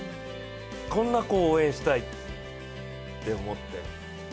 こんな子を応援したいって思って。